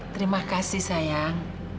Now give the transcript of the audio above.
terima kasih sayang